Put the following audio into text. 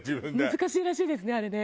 難しいらしいですねあれね。